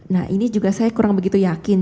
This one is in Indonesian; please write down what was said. nah ini juga saya kurang begitu yakin